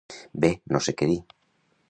Bé... no sé què dir.